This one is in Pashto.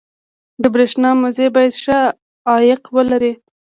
• د برېښنا مزي باید ښه عایق ولري.